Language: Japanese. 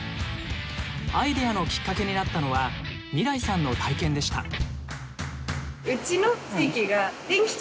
アイデアのきっかけになったのはみらいさんの体験でした。